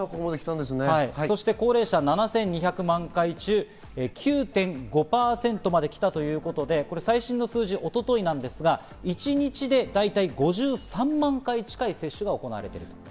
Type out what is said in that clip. そして高齢者は７２００万回中、９．５％まで来たということで、最新の数字、一昨日ですが一日でだいたい５３万回近い接種が行われたと。